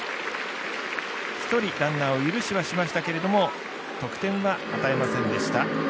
１人ランナーを許しはしましたけれども得点は与えませんでした。